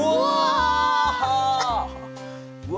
うわ！